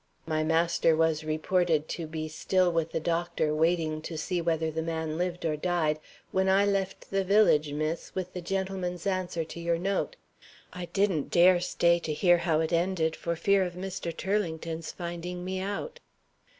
My master was reported to be still with the doctor, waiting to see whether the man lived or died, when I left the village, miss, with the gentleman's answer to your note. I didn't dare stay to hear how it ended, for fear of Mr. Turlington's finding me out."